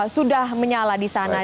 sudah menyala di sana